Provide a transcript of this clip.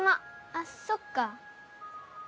あそっか。